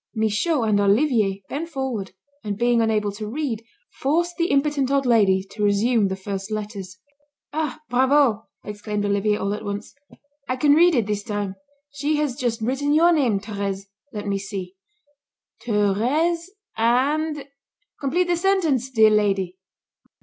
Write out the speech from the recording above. Michaud and Olivier bent forward, and being unable to read, forced the impotent old lady to resume the first letters. "Ah! Bravo!" exclaimed Olivier, all at once, "I can read it, this time. She has just written your name, Thérèse. Let me see: 'Thérèse and ' Complete the sentence, dear lady."